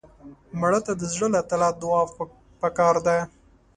مړه ته د زړه له تله دعا پکار ده